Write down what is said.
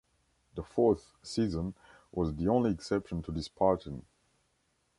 The fourth season was the only exception to this pattern.